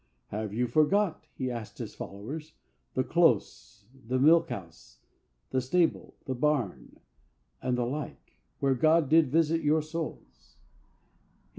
"Have you forgot," he asked his followers, "the close, the milk house, the stable, the barn, and the like, where God did visit your souls?"